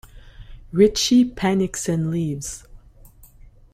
Ritchie panics and leaves.